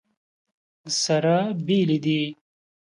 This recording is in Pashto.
سره بېلې دي.